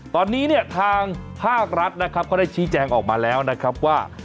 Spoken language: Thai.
ตอนนี้เนี่ยทางภาครัฐนะครับเขาได้ชี้แจงออกมาแล้วนะครับว่า